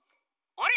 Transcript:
あれ？